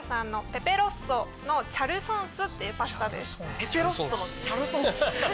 ペペロッソのチャルソンス。